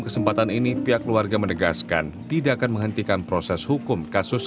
kesempatan ini pihak keluarga menegaskan tidak akan menghentikan proses hukum kasus